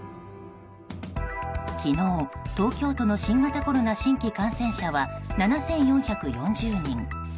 昨日、東京都の新型コロナ新規感染者は７４４０人。